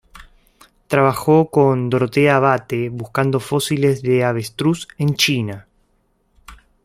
Trabajó con Dorothea Bate buscando fósiles de avestruz en China.